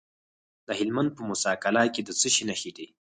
د هلمند په موسی قلعه کې د څه شي نښې دي؟